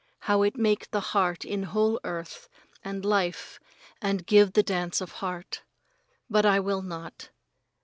How it make the change in whole earth and life and give the dance of heart. But I will not.